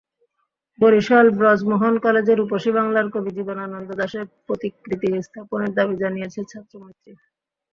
বরিশাল ব্রজমোহন কলেজে রূপসী বাংলার কবি জীবনানন্দ দাশের প্রতিকৃতি স্থাপনের দাবি জানিয়েছে ছাত্রমৈত্রী।